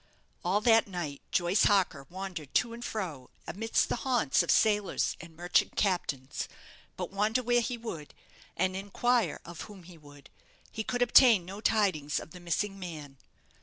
All that night Joyce Harker wandered to and fro amidst the haunts of sailors and merchant captains; but wander where he would, and inquire of whom he would, he could obtain no tidings of the missing man.